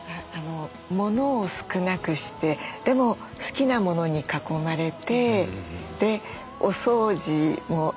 物を少なくしてでも好きな物に囲まれてでお掃除もきれいにできて。